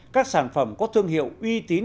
các sản phẩm có thương hiệu uy tín